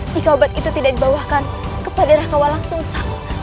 jika obat itu tidak dibawahkan kepada raka walang sungsam